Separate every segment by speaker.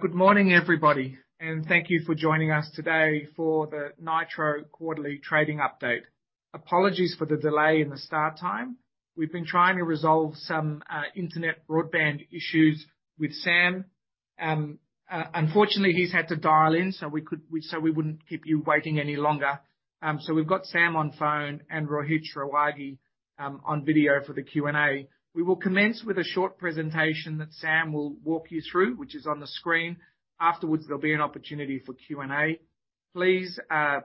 Speaker 1: Good morning, everybody, and thank you for joining us today for the Nitro quarterly trading update. Apologies for the delay in the start time. We've been trying to resolve some internet broadband issues with Sam. Unfortunately, he's had to dial in, so we wouldn't keep you waiting any longer. So we've got Sam on phone and Rohit Kothari on video for the Q&A. We will commence with a short presentation that Sam will walk you through, which is on the screen. Afterwards, there'll be an opportunity for Q&A. Please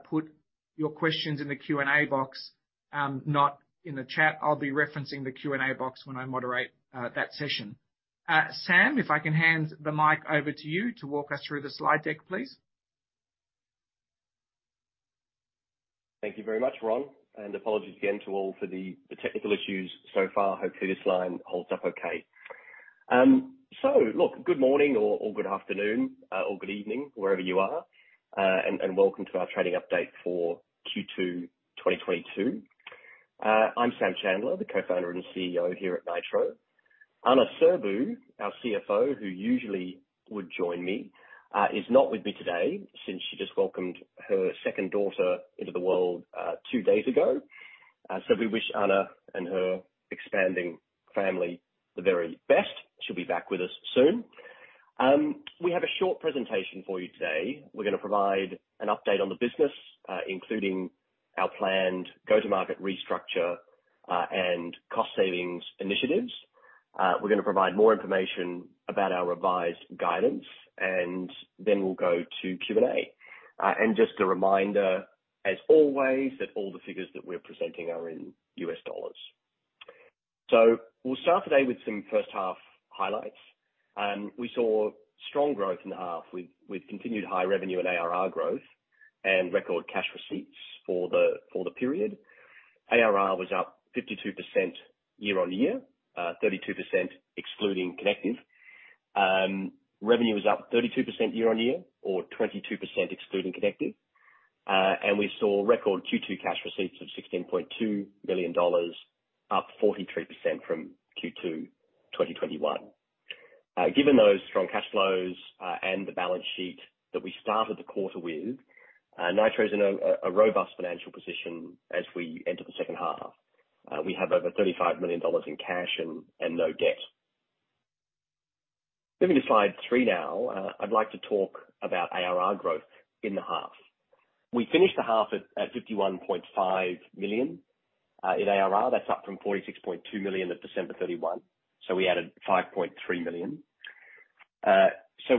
Speaker 1: put your questions in the Q&A box, not in the chat. I'll be referencing the Q&A box when I moderate that session. Sam, if I can hand the mic over to you to walk us through the slide deck, please.
Speaker 2: Thank you very much, Ronn, and apologies again to all for the technical issues so far. Hopefully, this line holds up okay. Look, good morning or good afternoon or good evening, wherever you are, and welcome to our trading update for Q2 2022. I'm Sam Chandler, the Co-founder and CEO here at Nitro. Ana Sirbu, our CFO, who usually would join me, is not with me today since she just welcomed her second daughter into the world two days ago. We wish Ana and her expanding family the very best. She'll be back with us soon. We have a short presentation for you today. We're gonna provide an update on the business, including our planned go-to-market restructure and cost savings initiatives. We're gonna provide more information about our revised guidance, and then we'll go to Q&A. Just a reminder, as always, that all the figures that we're presenting are in U.S. dollars. We'll start today with some first half highlights. We saw strong growth in the half with continued high revenue and ARR growth and record cash receipts for the period. ARR was up 52% year-on-year, 32% excluding Connective. Revenue was up 32% year-on-year or 22% excluding Connective. We saw record Q2 cash receipts of $16.2 billion, up 43% from Q2 2021. Given those strong cash flows and the balance sheet that we started the quarter with, Nitro is in a robust financial position as we enter the second half. We have over $35 million in cash and no debt. Moving to slide 3 now, I'd like to talk about ARR growth in the half. We finished the half at $51.5 million in ARR. That's up from $46.2 million at December 31. We added $5.3 million.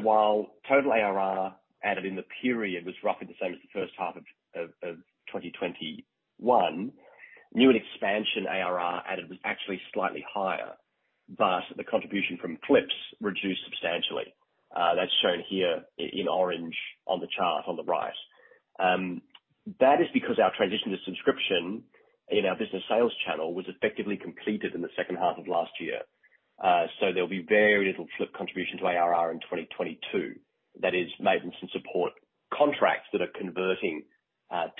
Speaker 2: While total ARR added in the period was roughly the same as the first half of 2021, new and expansion ARR added was actually slightly higher, but the contribution from flips reduced substantially. That's shown here in orange on the chart on the right. That is because our transition to subscription in our business sales channel was effectively completed in the second half of last year. There'll be very little flip contribution to ARR in 2022. That is maintenance and support contracts that are converting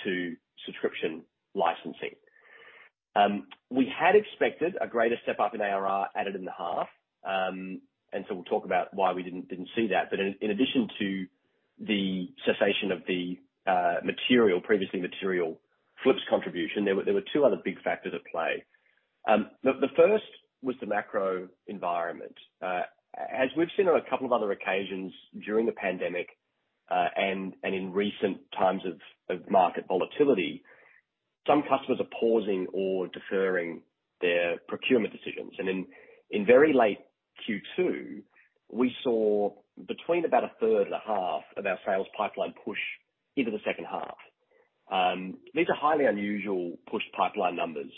Speaker 2: to subscription licensing. We had expected a greater step up in ARR added in the half, and so we'll talk about why we didn't see that. In addition to the cessation of the material, previously material flips contribution, there were two other big factors at play. The first was the macro environment. As we've seen on a couple of other occasions during the pandemic and in recent times of market volatility, some customers are pausing or deferring their procurement decisions. In very late Q2, we saw between about a third and a half of our sales pipeline push into the second half. These are highly unusual pushed pipeline numbers.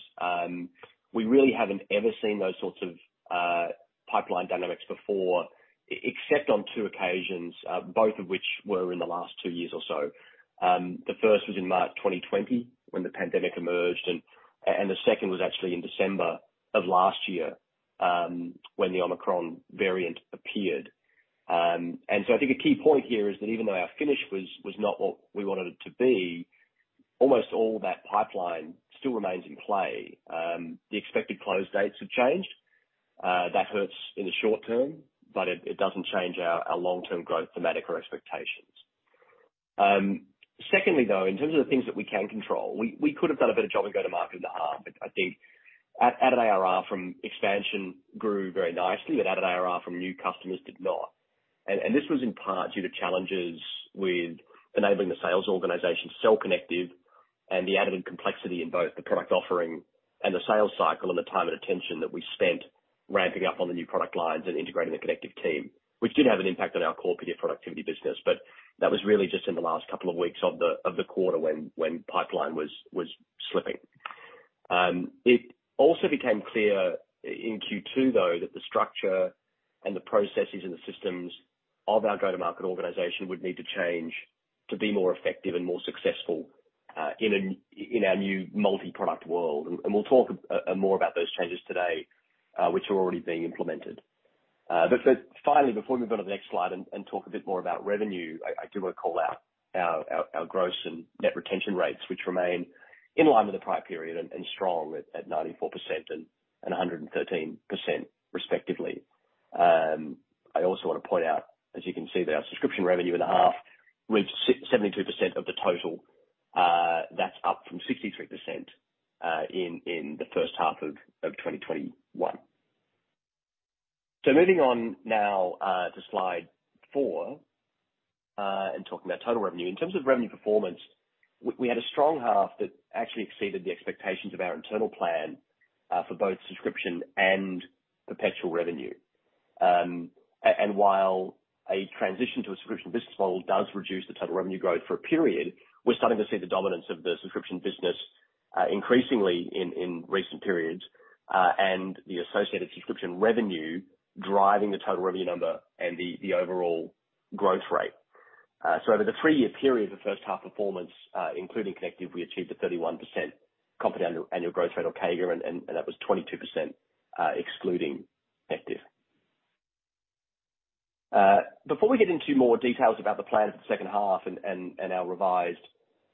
Speaker 2: We really haven't ever seen those sorts of pipeline dynamics before, except on two occasions, both of which were in the last two years or so. The first was in March 2020 when the pandemic emerged and the second was actually in December of last year, when the Omicron variant appeared. I think a key point here is that even though our finish was not what we wanted it to be, almost all that pipeline still remains in play. The expected close dates have changed. That hurts in the short term, but it doesn't change our long-term growth thematic or expectations. Secondly, though, in terms of the things that we can control, we could have done a better job in go-to-market in the half. I think added ARR from expansion grew very nicely, but added ARR from new customers did not. This was in part due to challenges with enabling the sales organization sell Connective and the added complexity in both the product offering and the sales cycle and the time and attention that we spent ramping up on the new product lines and integrating the Connective team, which did have an impact on our core PDF Productivity business. That was really just in the last couple of weeks of the quarter when pipeline was slipping. It also became clear in Q2, though, that the structure and the processes and the systems of our go-to-market organization would need to change to be more effective and more successful in our new multi-product world. We'll talk more about those changes today, which are already being implemented. But finally, before we move on to the next slide and talk a bit more about revenue, I do want to call out our gross and net retention rates, which remain in line with the prior period and strong at 94% and 113% respectively. I also wanna point out, as you can see, that our subscription revenue in the half with 72% of the total, that's up from 63% in the first half of 2021. Moving on now to slide 4 and talking about total revenue. In terms of revenue performance, we had a strong half that actually exceeded the expectations of our internal plan for both subscription and perpetual revenue. While a transition to a subscription business model does reduce the total revenue growth for a period, we're starting to see the dominance of the subscription business increasingly in recent periods, and the associated subscription revenue driving the total revenue number and the overall growth rate. Over the three-year period of the first half performance, including Connective, we achieved a 31% compound annual growth rate or CAGR, and that was 22% excluding Connective. Before we get into more details about the plan for the second half and our revised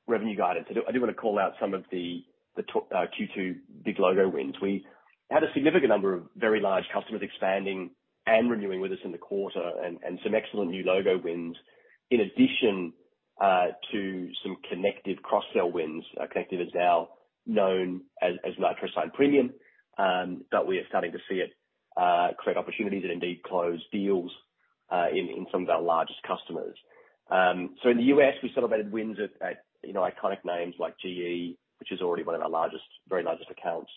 Speaker 2: revenue guidance, I do wanna call out some of the Q2 big logo wins. We had a significant number of very large customers expanding and renewing with us in the quarter and some excellent new logo wins in addition to some Connective cross-sell wins. Connective is now known as Nitro Sign Premium, but we are starting to see it create opportunities and indeed close deals in some of our largest customers. In the U.S., we celebrated wins at, you know, iconic names like GE, which is already one of our largest, very largest accounts,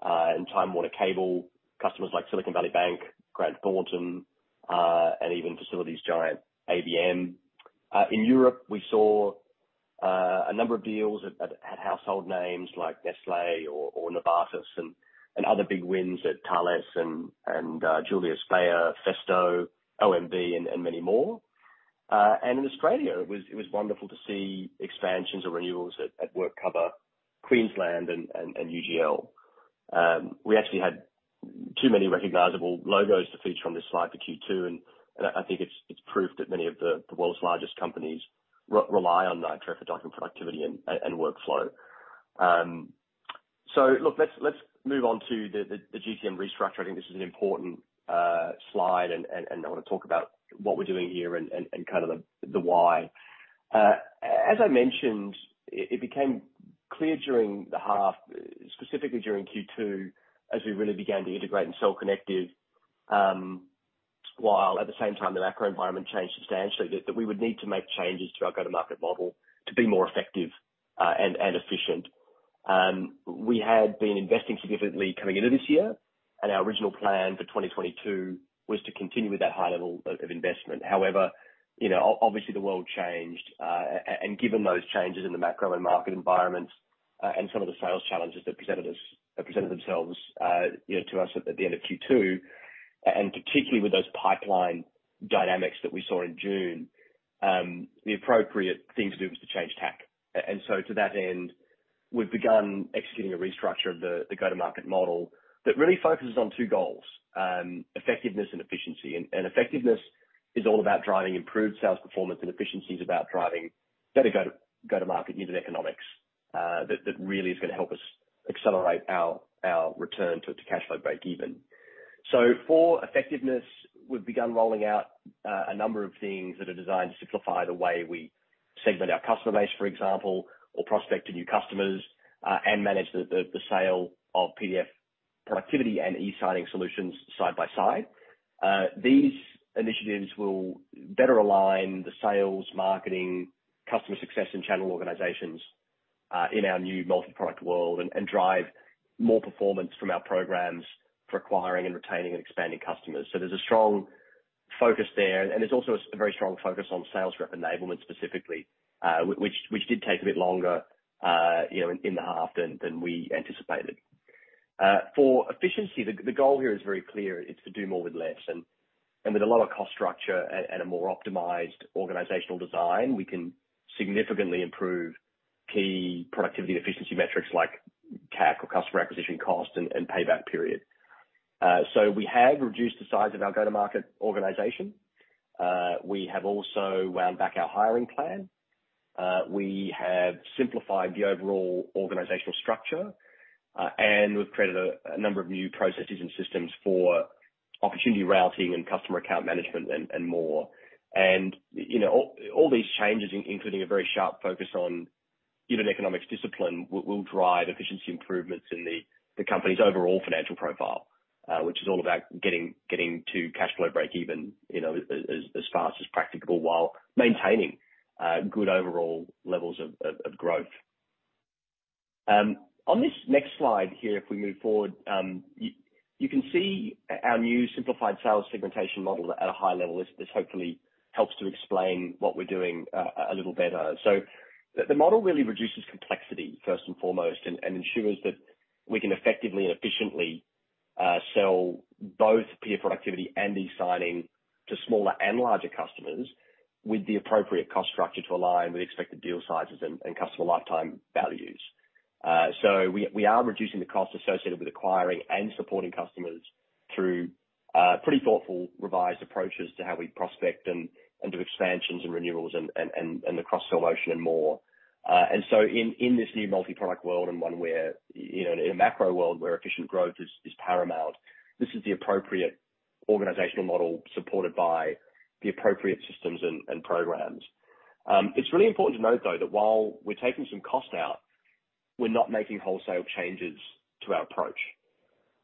Speaker 2: and Time Warner Cable, customers like Silicon Valley Bank, Grant Thornton, and even facilities giant ABM. In Europe, we saw a number of deals at household names like Nestlé or Novartis and other big wins at Thales and Julius Baer, Festo, OMV and many more. In Australia, it was wonderful to see expansions or renewals at WorkCover Queensland and UGL. We actually had too many recognizable logos to feature on this slide for Q2, and I think it's proof that many of the world's largest companies rely on Nitro for document productivity and workflow. Look, let's move on to the GTM restructuring. This is an important slide and I wanna talk about what we're doing here and kind of the why. As I mentioned, it became clear during the half, specifically during Q2, as we really began to integrate and sell Connective, while at the same time the macro environment changed substantially, that we would need to make changes to our go-to-market model to be more effective, and efficient. We had been investing significantly coming into this year, and our original plan for 2022 was to continue with that high level of investment. However, you know, obviously the world changed, and given those changes in the macro and market environments, and some of the sales challenges that presented themselves, you know, to us at the end of Q2, and particularly with those pipeline dynamics that we saw in June, the appropriate thing to do was to change tack. To that end, we've begun executing a restructure of the go-to-market model that really focuses on two goals, effectiveness and efficiency. Effectiveness is all about driving improved sales performance, and efficiency is about driving better go-to-market unit economics that really is gonna help us accelerate our return to cash flow breakeven. For effectiveness, we've begun rolling out a number of things that are designed to simplify the way we segment our customer base, for example, or prospect to new customers and manage the sale of PDF Productivity and eSigning solutions side by side. These initiatives will better align the sales, marketing, customer success, and channel organizations in our new multi-product world and drive more performance from our programs for acquiring and retaining and expanding customers. There's a strong focus there, and there's also a very strong focus on sales rep enablement specifically, which did take a bit longer, you know, in the half than we anticipated. For efficiency, the goal here is very clear. It's to do more with less. With a lot of cost structure and a more optimized organizational design, we can significantly improve key productivity and efficiency metrics like CAC or customer acquisition cost and payback period. We have reduced the size of our go-to-market organization. We have also wound back our hiring plan. We have simplified the overall organizational structure, and we've created a number of new processes and systems for opportunity routing and customer account management and more. You know, all these changes, including a very sharp focus on unit economics discipline, will drive efficiency improvements in the company's overall financial profile, which is all about getting to cash flow breakeven, you know, as fast as practicable while maintaining good overall levels of growth. On this next slide here, if we move forward, you can see our new simplified sales segmentation model at a high level. This hopefully helps to explain what we're doing a little better. The model really reduces complexity, first and foremost, and ensures that we can effectively and efficiently sell both PDF Productivity and eSigning to smaller and larger customers with the appropriate cost structure to align with expected deal sizes and customer lifetime values. We are reducing the cost associated with acquiring and supporting customers through pretty thoughtful revised approaches to how we prospect and do expansions and renewals and the cross-sell motion and more. In this new multi-product world and one where in a macro world where efficient growth is paramount, this is the appropriate organizational model supported by the appropriate systems and programs. It's really important to note though that while we're taking some cost out, we're not making wholesale changes to our approach.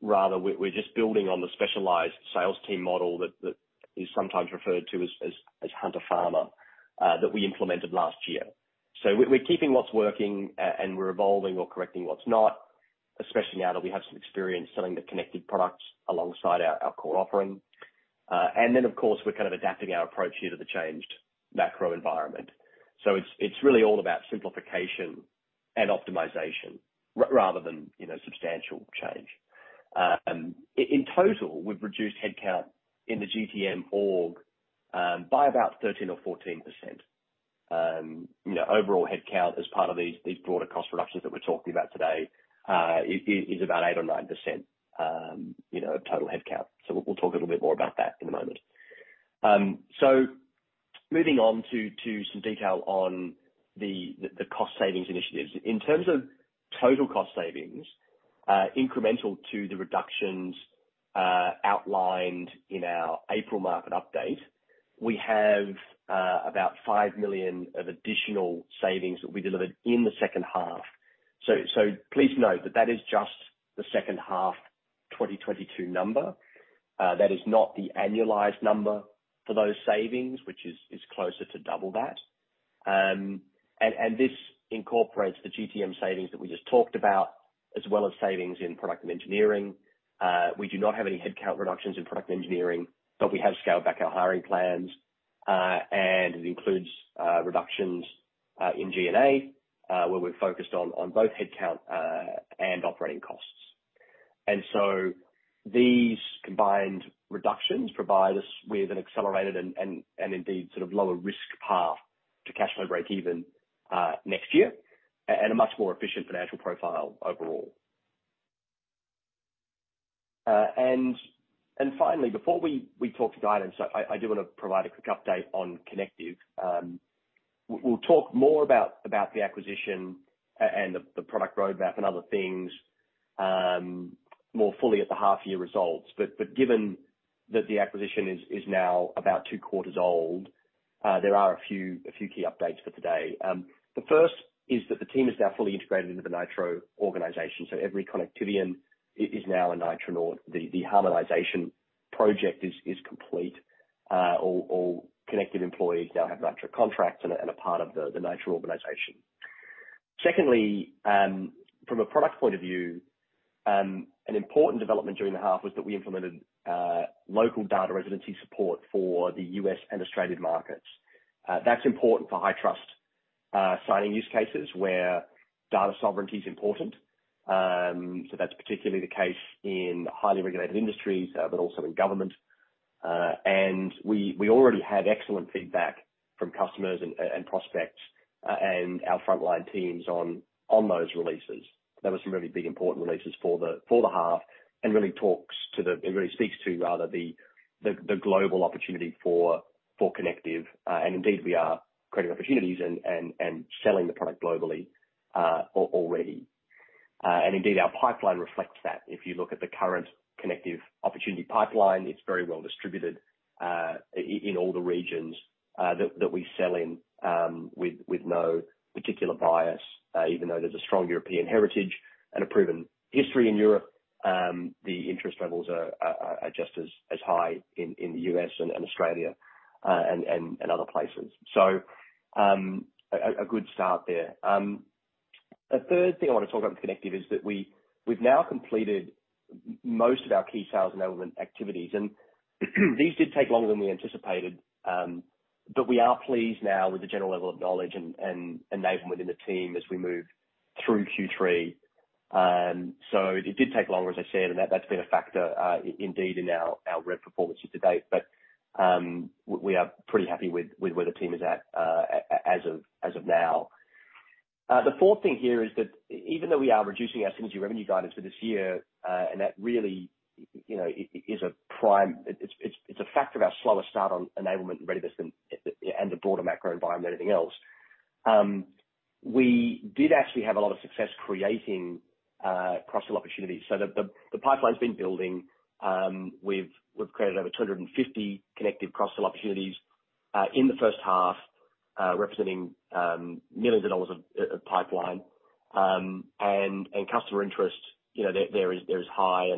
Speaker 2: Rather, we're just building on the specialized sales team model that is sometimes referred to as hunter-farmer that we implemented last year. We're keeping what's working and we're evolving or correcting what's not, especially now that we have some experience selling the Connective products alongside our core offering. Of course, we're kind of adapting our approach here to the changed macro environment. It's really all about simplification and optimization rather than, you know, substantial change. In total, we've reduced headcount in the GTM org by about 13% or 14%. Overall headcount as part of these broader cost reductions that we're talking about today is about 8% or 9%, you know, total headcount. We'll talk a little bit more about that in a moment. Moving on to some detail on the cost savings initiatives. In terms of total cost savings, incremental to the reductions outlined in our April market update, we have about $5 million of additional savings that we delivered in the second half. Please note that is just the second half 2022 number. That is not the annualized number for those savings, which is closer to double that. This incorporates the GTM savings that we just talked about, as well as savings in product and engineering. We do not have any headcount reductions in product engineering, but we have scaled back our hiring plans, and it includes reductions in G&A, where we're focused on both headcount and operating costs. These combined reductions provide us with an accelerated and indeed sort of lower risk path to cash flow breakeven next year, and a much more efficient financial profile overall. Finally, before we talk to guidance, I do wanna provide a quick update on Connective. We'll talk more about the acquisition and the product roadmap and other things more fully at the half year results. Given that the acquisition is now about two quarters old, there are a few key updates for today. The first is that the team is now fully integrated into the Nitro organization. Every Connectivian is now a Nitro. The harmonization project is complete. All Connective employees now have Nitro contracts and a part of the Nitro organization. Secondly, from a product point of view, an important development during the half was that we implemented local data residency support for the U.S. and Australian markets. That's important for high-trust signing use cases where data sovereignty is important. That's particularly the case in highly regulated industries, but also in government. We already had excellent feedback from customers and prospects and our frontline teams on those releases. They were some really big important releases for the half. It really speaks to rather the global opportunity for Connective. Indeed, we are creating opportunities and selling the product globally already. Indeed our pipeline reflects that. If you look at the current Connective opportunity pipeline, it's very well distributed in all the regions that we sell in, with no particular bias. Even though there's a strong European heritage and a proven history in Europe, the interest levels are just as high in the U.S. and Australia and other places. A good start there. A third thing I wanna talk about with Connective is that we've now completed most of our key sales enablement activities, and these did take longer than we anticipated, but we are pleased now with the general level of knowledge and enablement within the team as we move through Q3. It did take longer, as I said, and that's been a factor indeed in our rev performance year to date. We are pretty happy with where the team is at as of now. The fourth thing here is that even though we are reducing our synergy revenue guidance for this year, and that really, you know, is a prime factor of our slower start on enablement and readiness and the broader macro environment than anything else. We did actually have a lot of success creating cross-sell opportunities. The pipeline's been building. We've created over 250 Connective cross-sell opportunities in the first half, representing millions of dollars of pipeline. Customer interest, you know, there is high,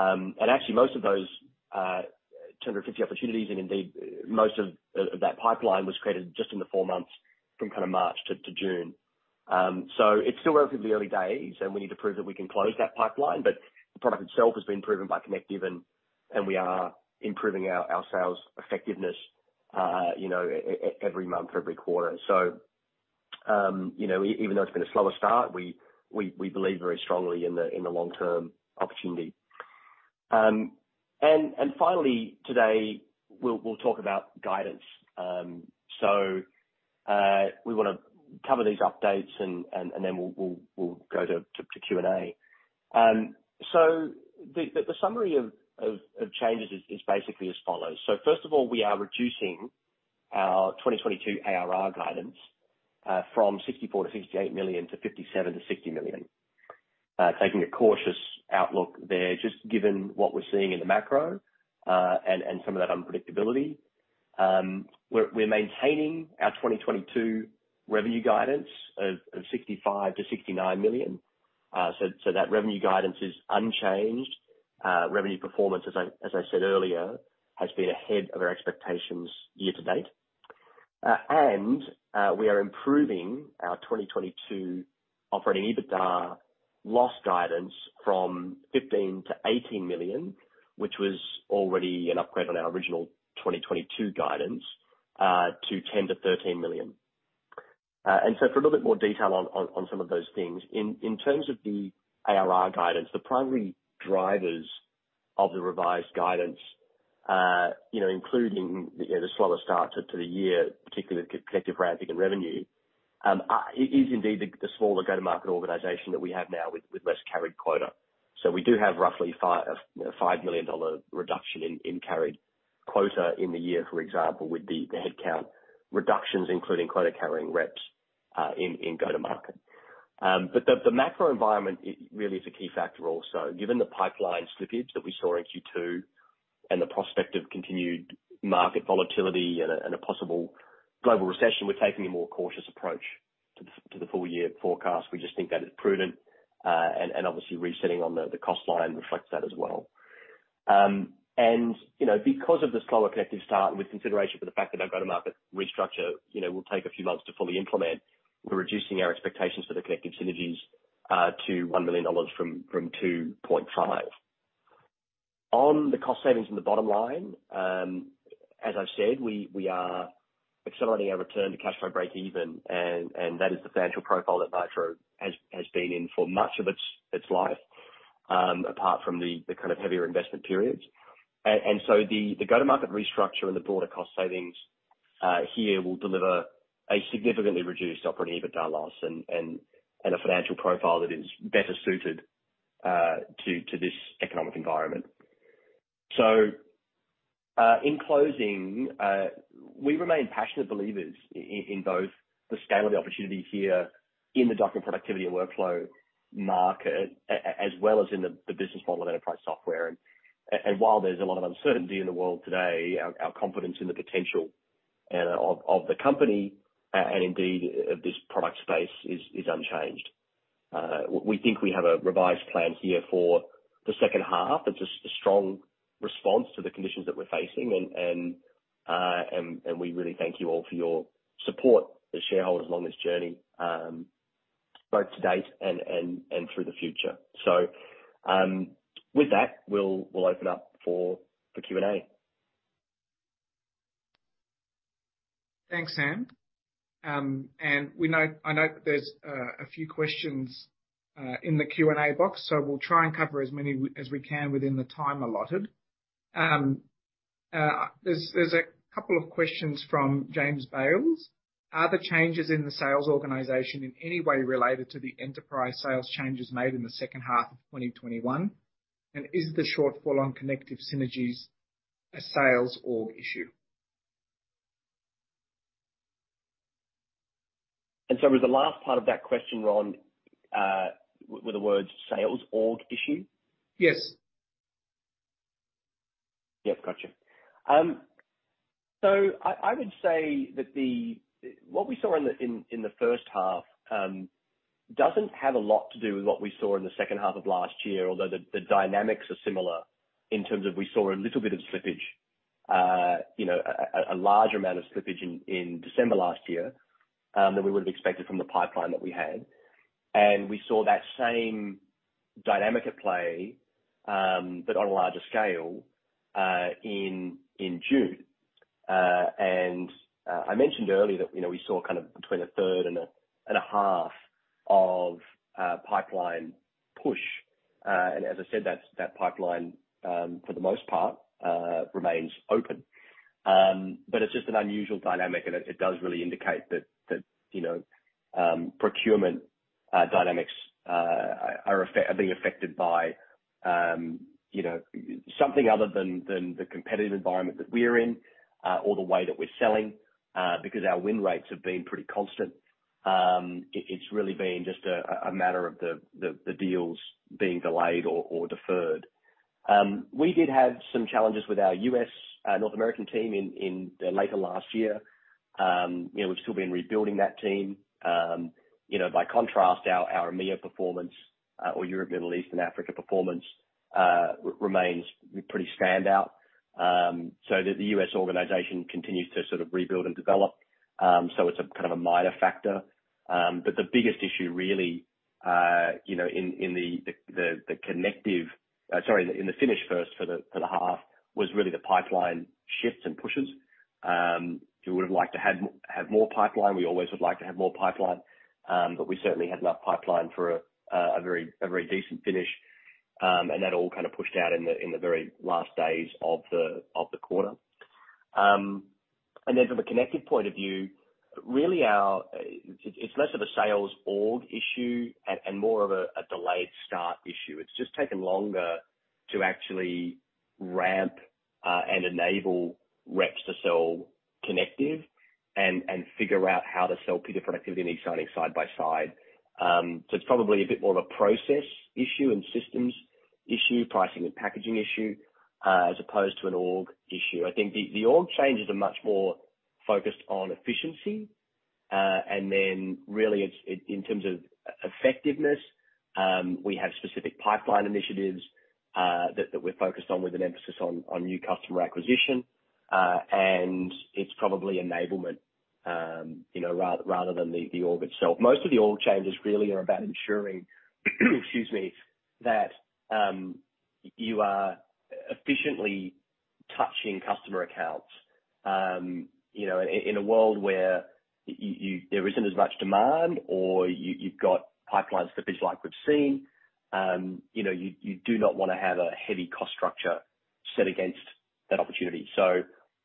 Speaker 2: and actually most of those 250 opportunities and indeed most of that pipeline was created just in the four months from kind of March to June. It's still relatively early days, and we need to prove that we can close that pipeline. The product itself has been proven by Connective and we are improving our sales effectiveness, you know, every month, every quarter. You know, even though it's been a slower start, we believe very strongly in the long-term opportunity. Finally, today we'll talk about guidance. We wanna cover these updates and then we'll go to Q&A. The summary of changes is basically as follows. First of all, we are reducing our 2022 ARR guidance from $64 million-$68 million to $57 million-$60 million. Taking a cautious outlook there, just given what we're seeing in the macro, and some of that unpredictability. We're maintaining our 2022 revenue guidance of $65 million-$69 million. That revenue guidance is unchanged. Revenue performance, as I said earlier, has been ahead of our expectations year to date. We are improving our 2022 operating EBITDA loss guidance from $15 million-$18 million, which was already an upgrade on our original 2022 guidance, to $10 million-$13 million. For a little bit more detail on some of those things. In terms of the ARR guidance, the primary drivers of the revised guidance, you know, including the, you know, the slower start to the year, particularly with Connective revenue. It is indeed the smaller go-to-market organization that we have now with less carried quota. We do have roughly $5 million reduction in carried quota in the year, for example, with the headcount reductions, including quota-carrying reps in go-to-market. The macro environment really is a key factor also. Given the pipeline slippage that we saw in Q2 and the prospect of continued market volatility and a possible global recession, we're taking a more cautious approach to the full year forecast. We just think that is prudent. Obviously resetting on the cost line reflects that as well. You know, because of the slower Connective start and with consideration for the fact that our go-to-market restructure, you know, will take a few months to fully implement, we're reducing our expectations for the Connective synergies to $1 million from $2.5 million. On the cost savings in the bottom line, as I've said, we are accelerating our return to cash flow breakeven, and that is the financial profile that Nitro has been in for much of its life, apart from the kind of heavier investment periods. The go-to-market restructure and the broader cost savings here will deliver a significantly reduced operating EBITDA loss and a financial profile that is better suited to this economic environment. In closing, we remain passionate believers in both the scale of the opportunity here in the document productivity and workflow market as well as in the business model of enterprise software. While there's a lot of uncertainty in the world today, our confidence in the potential of the company and indeed of this product space is unchanged. We think we have a revised plan here for the second half. It's a strong response to the conditions that we're facing and we really thank you all for your support as shareholders along this journey, both to date and through the future. With that, we'll open up for the Q&A.
Speaker 1: Thanks, Sam. I know there's a few questions in the Q&A box, so we'll try and cover as many as we can within the time allotted. There's a couple of questions from James Bales. Are the changes in the sales organization in any way related to the enterprise sales changes made in the second half of 2021? Is the shortfall on Connective synergies a sales org issue?
Speaker 2: Was the last part of that question, Ronn, were the words sales org issue?
Speaker 1: Yes.
Speaker 2: Yes. Gotcha. So I would say that what we saw in the first half doesn't have a lot to do with what we saw in the second half of last year. Although the dynamics are similar in terms of we saw a little bit of slippage, you know, a large amount of slippage in December last year than we would have expected from the pipeline that we had. We saw that same dynamic at play, but on a larger scale, in June. I mentioned earlier that, you know, we saw kind of between a third and a half of pipeline push. As I said, that's the pipeline for the most part remains open. It's just an unusual dynamic and it does really indicate that, you know, procurement dynamics are being affected by, you know, something other than the competitive environment that we're in, or the way that we're selling, because our win rates have been pretty constant. It's really been just a matter of the deals being delayed or deferred. We did have some challenges with our U.S. North American team in late last year. You know, we've still been rebuilding that team. You know, by contrast, our EMEA performance, or Europe, Middle East and Africa performance, remains pretty standout. The U.S. organization continues to sort of rebuild and develop. It's a kind of a minor factor. The biggest issue really, you know, in finishing the first half was really the pipeline shifts and pushes. We would've liked to have more pipeline. We always would like to have more pipeline. We certainly had enough pipeline for a very decent finish. That all kind of pushed out in the very last days of the quarter. Then from a Connective point of view, really. It's less of a sales org issue and more of a delayed start issue. It's just taken longer to actually ramp and enable reps to sell Connective and figure out how to sell PDF Productivity and eSigning side by side. It's probably a bit more of a process issue and systems issue, pricing and packaging issue, as opposed to an org issue. I think the org changes are much more focused on efficiency. Then really it's in terms of effectiveness, we have specific pipeline initiatives that we're focused on with an emphasis on new customer acquisition. It's probably enablement, you know, rather than the org itself. Most of the org changes really are about ensuring excuse me, that you are efficiently touching customer accounts. You know, in a world where there isn't as much demand or you've got pipeline slippage like we've seen, you know, you do not wanna have a heavy cost structure set against that opportunity.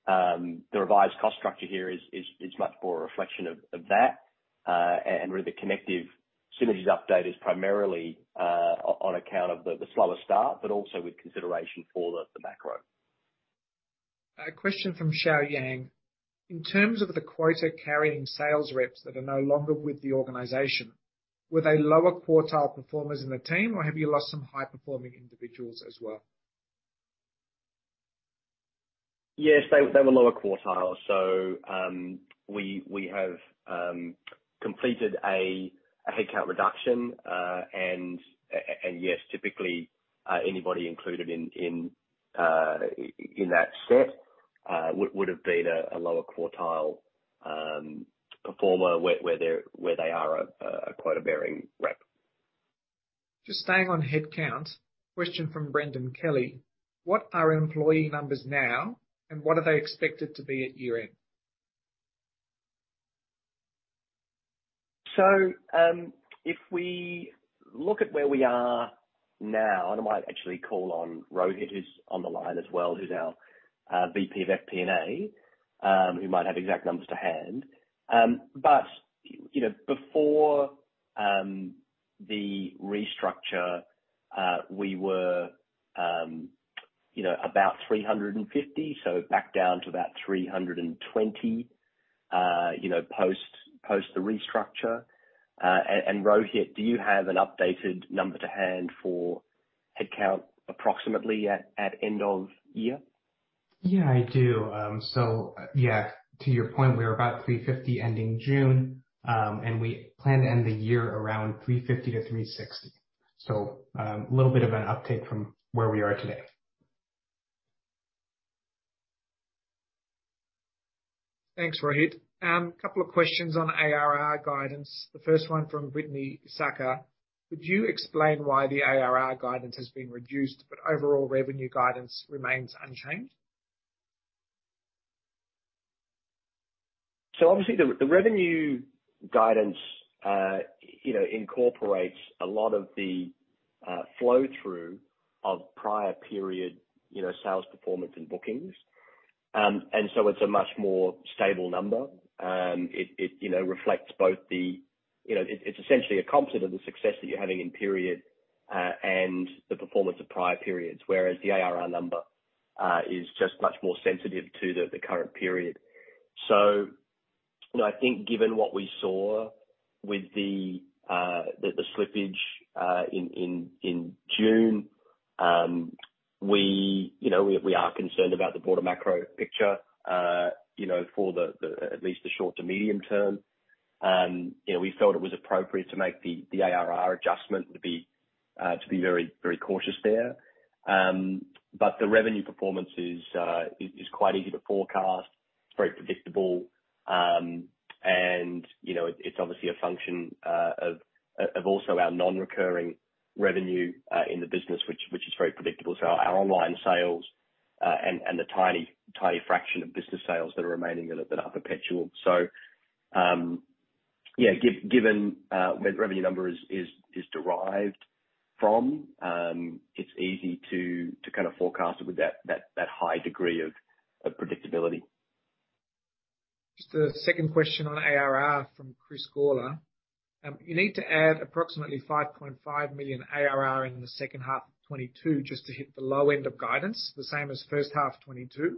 Speaker 2: The revised cost structure here is much more a reflection of that. Really, the Connective synergies update is primarily on account of the slower start, but also with consideration for the macro.
Speaker 1: A question from Garry Chien. In terms of the quota-carrying sales reps that are no longer with the organization, were they lower quartile performers in the team, or have you lost some high-performing individuals as well?
Speaker 2: Yes, they were lower quartile. We have completed a headcount reduction. Yes, typically, anybody included in that set would've been a lower quartile performer where they are a quota-bearing rep.
Speaker 1: Just staying on headcount, question from Brendan Kelly: What are employee numbers now, and what are they expected to be at year-end?
Speaker 2: If we look at where we are now, and I might actually call on Rohit, who's on the line as well, who's our VP of FP&A, who might have exact numbers to hand. But, you know, before the restructure, we were, you know, about 350, so back down to about 320, you know, post the restructure. And Rohit, do you have an updated number to hand for headcount approximately at end of year?
Speaker 3: Yeah, I do. To your point, we were about $350 ending June, and we plan to end the year around $350-$360. Little bit of an uptick from where we are today.
Speaker 1: Thanks, Rohit. Couple of questions on ARR guidance. The first one from Brittany Saka. Could you explain why the ARR guidance has been reduced but overall revenue guidance remains unchanged?
Speaker 2: Obviously the revenue guidance, you know, incorporates a lot of the flow through of prior period, you know, sales performance and bookings. It's a much more stable number. It, you know, reflects both the success that you're having in period and the performance of prior periods, whereas the ARR number is just much more sensitive to the current period. You know, I think given what we saw with the slippage in June, you know, we are concerned about the broader macro picture, you know, for the at least the short to medium term. You know, we felt it was appropriate to make the ARR adjustment to be very cautious there. The revenue performance is quite easy to forecast. It's very predictable. You know, it's obviously a function of also our non-recurring revenue in the business, which is very predictable. Our online sales and the tiny fraction of business sales that are remaining that are perpetual. Given where the revenue number is derived from, it's easy to kind of forecast it with that high degree of predictability.
Speaker 1: Just a second question on ARR from Chris Gawler. You need to add approximately $5.5 million ARR in the second half of 2022 just to hit the low end of guidance, the same as first half 2022.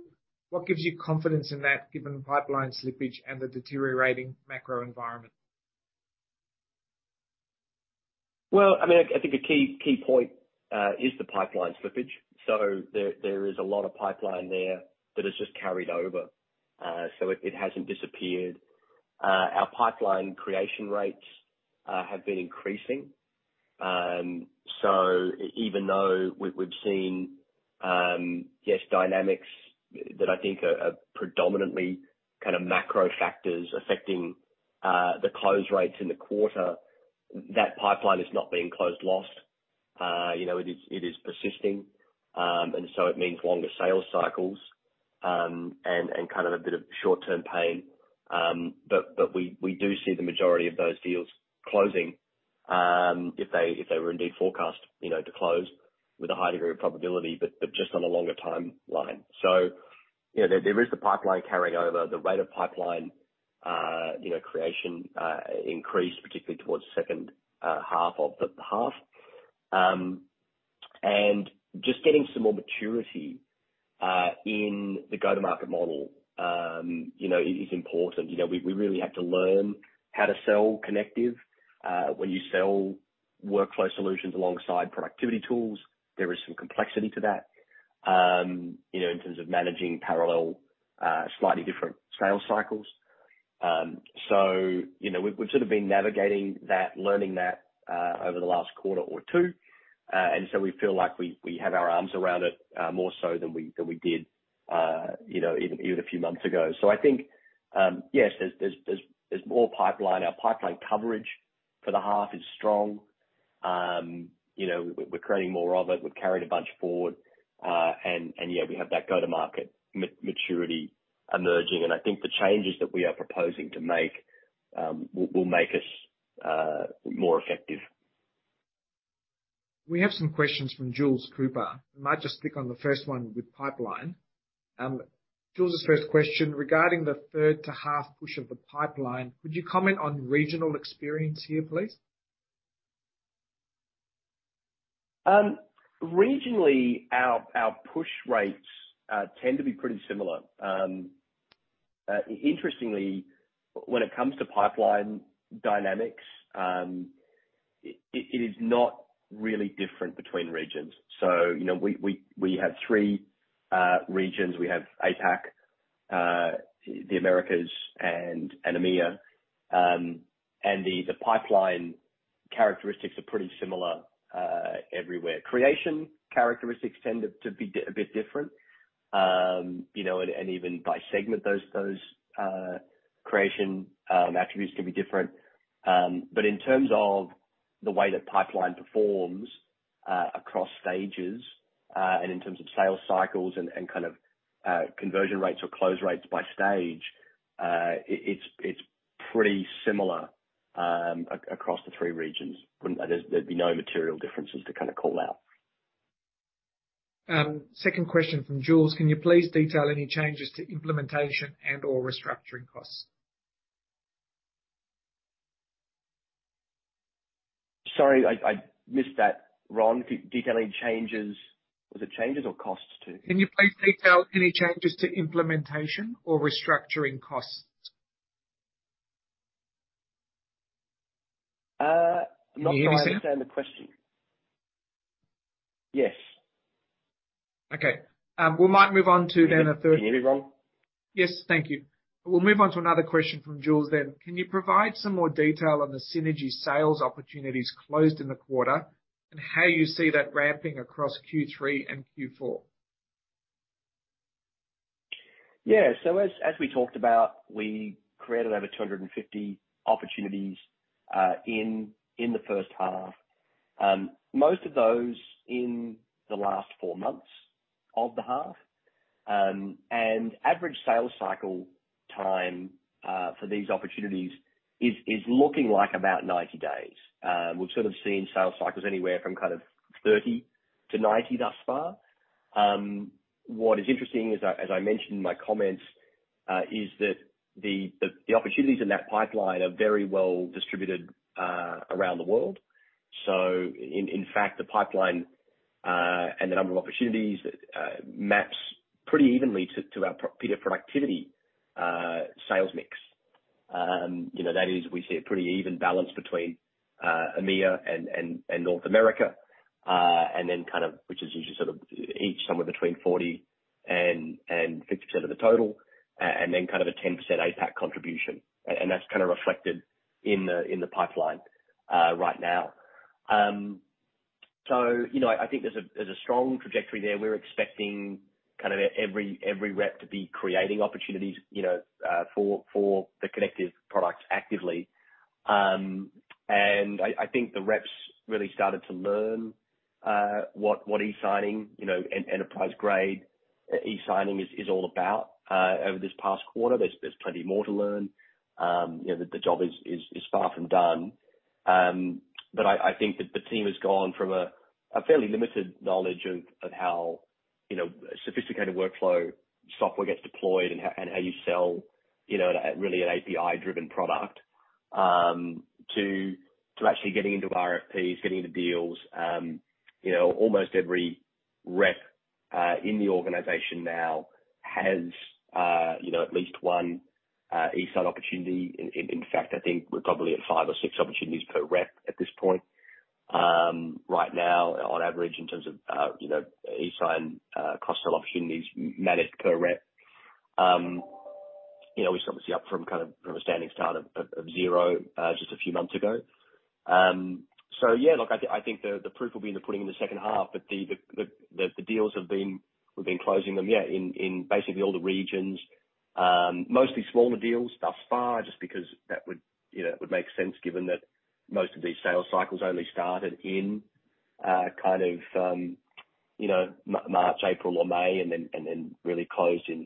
Speaker 1: What gives you confidence in that given pipeline slippage and the deteriorating macro environment?
Speaker 2: Well, I mean, I think the key point is the pipeline slippage. There is a lot of pipeline there that has just carried over. It hasn't disappeared. Our pipeline creation rates have been increasing. Even though we've seen dynamics that I think are predominantly kind of macro factors affecting the close rates in the quarter, that pipeline is not being closed lost. You know, it is persisting. It means longer sales cycles and kind of a bit of short-term pain. We do see the majority of those deals closing if they were indeed forecast, you know, to close with a high degree of probability, but just on a longer timeline. Yeah, there is the pipeline carrying over. The rate of pipeline, you know, creation increased particularly towards the second half of the half. Just getting some more maturity in the go-to-market model, you know, is important. You know, we really have to learn how to sell Connective. When you sell workflow solutions alongside productivity tools, there is some complexity to that, you know, in terms of managing parallel slightly different sales cycles. You know, we've sort of been navigating that, learning that, over the last quarter or two. We feel like we have our arms around it, more so than we did, you know, even a few months ago. I think, yes, there's more pipeline. Our pipeline coverage for the half is strong. You know, we're creating more of it. We've carried a bunch forward, and yeah, we have that go-to-market maturity emerging. I think the changes that we are proposing to make will make us more effective.
Speaker 1: We have some questions from Jules Cooper. I might just click on the first one with pipeline. Jules' first question: Regarding the third to half push of the pipeline, would you comment on regional experience here, please?
Speaker 2: Regionally, our push rates tend to be pretty similar. Interestingly, when it comes to pipeline dynamics, it is not really different between regions. You know, we have three regions. We have APAC, the Americas and EMEA. The pipeline characteristics are pretty similar everywhere. Creation characteristics tend to be a bit different. You know, and even by segment, those creation attributes can be different. But in terms of the way that pipeline performs across stages, and in terms of sales cycles and kind of conversion rates or close rates by stage, it's pretty similar across the three regions. There'd be no material differences to kind of call out.
Speaker 1: Second question from Jules: Can you please detail any changes to implementation and/or restructuring costs?
Speaker 2: Sorry, I missed that, Ronn. Detail any changes. Was it changes or costs to?
Speaker 1: Can you please detail any changes to implementation or restructuring costs?
Speaker 2: Uh-
Speaker 1: Can you hear me, Sam?
Speaker 2: I don't quite understand the question. Yes.
Speaker 1: Okay. We might move on to then a third-
Speaker 2: Can you hear me, Ronn?
Speaker 1: Yes. Thank you. We'll move on to another question from Jules then. Can you provide some more detail on the synergy sales opportunities closed in the quarter, and how you see that ramping across Q3 and Q4?
Speaker 2: Yeah. As we talked about, we created over 250 opportunities in the first half. Most of those in the last four months of the half. Average sales cycle time for these opportunities is looking like about 90 days. We've sort of seen sales cycles anywhere from kind of 30 days-90 days thus far. What is interesting is, as I mentioned in my comments, is that the opportunities in that pipeline are very well distributed around the world. In fact, the pipeline and the number of opportunities maps pretty evenly to our PDF Productivity sales mix. You know, that is, we see a pretty even balance between EMEA and North America. Which is usually sort of each somewhere between 40%-50% of the total, and then kind of a 10% APAC contribution. That's kind of reflected in the pipeline right now. You know, I think there's a strong trajectory there. We're expecting kind of every rep to be creating opportunities, you know, for the Connective products actively. I think the reps really started to learn what e-signing, you know, enterprise-grade e-signing is all about over this past quarter. There's plenty more to learn. You know, the job is far from done. I think that the team has gone from a fairly limited knowledge of how you know, sophisticated workflow software gets deployed and how you sell you know, really an API-driven product to actually getting into RFPs, getting into deals. You know, almost every rep in the organization now has you know, at least one e-sign opportunity. In fact, I think we're probably at five or six opportunities per rep at this point. Right now, on average, in terms of you know, e-sign cross-sell opportunities managed per rep. You know, it's obviously up from kind of from a standing start of 0 just a few months ago. Yeah, look, I think the proof will be in the pudding in the second half. We've been closing them, yeah, in basically all the regions. Mostly smaller deals thus far, just because that would, you know, make sense given that most of these sales cycles only started in kind of you know March, April, or May, and then really closed in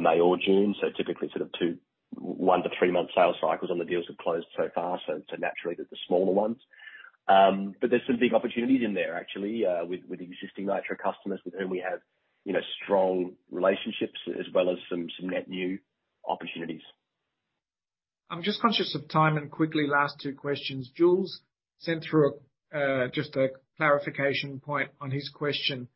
Speaker 2: May or June. Typically sort of 1-3-month sales cycles on the deals have closed so far, so naturally they're the smaller ones. There's some big opportunities in there actually, with existing Nitro customers with whom we have, you know, strong relationships as well as some net new opportunities.
Speaker 1: I'm just conscious of time and quickly, last two questions. Jules sent through, just a clarification point on his question.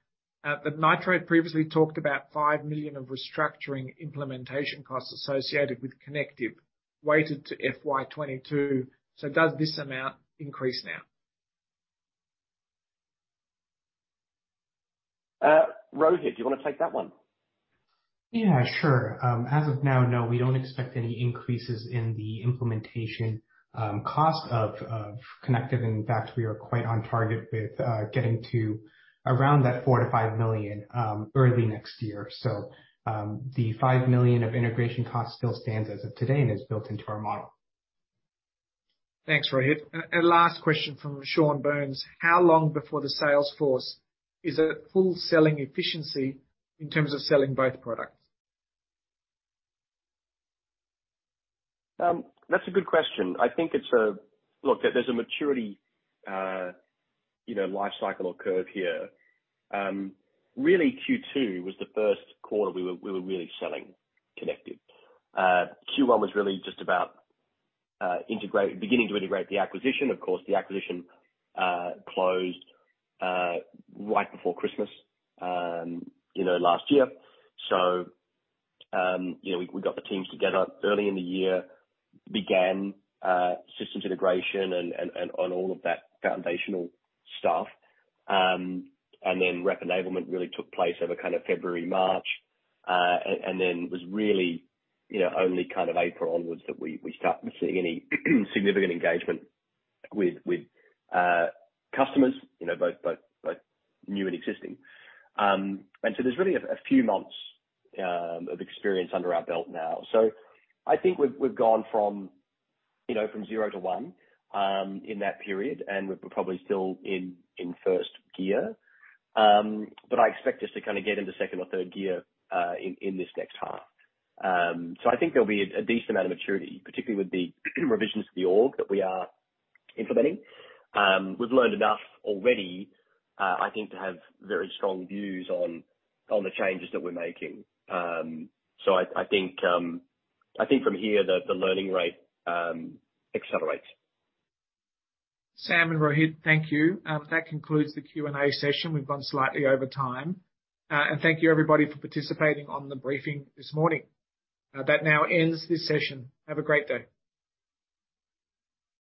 Speaker 1: That Nitro had previously talked about $5 million of restructuring implementation costs associated with Connective weighted to FY 2022. Does this amount increase now?
Speaker 2: Rohit, do you wanna take that one?
Speaker 3: Yeah, sure. As of now, no. We don't expect any increases in the implementation cost of Connective. In fact, we are quite on target with getting to around that $4 million-$5 million early next year. The $5 million of integration cost still stands as of today and is built into our model.
Speaker 1: Thanks, Rohit. Last question from Shaun Burns. How long before the sales force is at full selling efficiency in terms of selling both products?
Speaker 2: That's a good question. I think it's. Look, there's a maturity, you know, life cycle or curve here. Really Q2 was the first quarter we were really selling Connective. Q1 was really just about beginning to integrate the acquisition. Of course, the acquisition closed right before Christmas, you know, last year. You know, we got the teams together early in the year, began systems integration and on all of that foundational stuff. Then rep enablement really took place over kind of February, March. Then was really, you know, only kind of April onwards that we start seeing any significant engagement with customers, you know, both new and existing. There's really a few months of experience under our belt now. I think we've gone from, you know, from 0-1 in that period, and we're probably still in first gear. I expect us to kinda get into second or third gear in this next half. I think there'll be a decent amount of maturity, particularly with the revisions to the org that we are implementing. We've learned enough already, I think to have very strong views on the changes that we're making. I think from here, the learning rate accelerates.
Speaker 1: Sam and Rohit, thank you. That concludes the Q&A session. We've gone slightly over time. Thank you everybody for participating on the briefing this morning. That now ends this session. Have a great day.